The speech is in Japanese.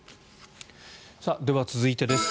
では、続いてです。